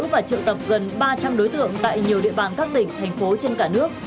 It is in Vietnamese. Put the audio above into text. và triệu tập gần ba trăm linh đối tượng tại nhiều địa bàn các tỉnh thành phố trên cả nước